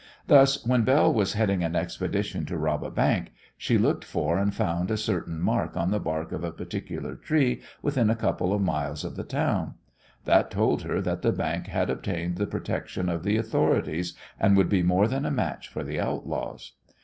Thus when Belle was heading an expedition to rob a bank, she looked for and found a certain mark on the bark of a particular tree within a couple of miles of the town. That told her that the bank had obtained the protection of the authorities, and would be more than a match for the outlaws.